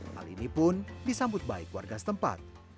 hal ini pun disambut baik warga setempat